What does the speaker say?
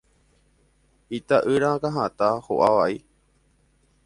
ita'ýra akãhatã ho'a vai.